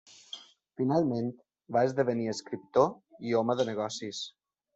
Finalment va esdevenir escriptor i home de negocis.